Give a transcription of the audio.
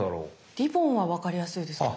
リボンは分かりやすいですけどね。